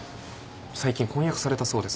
最近婚約されたそうですね。